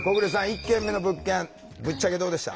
１軒目の物件ぶっちゃけどうでした？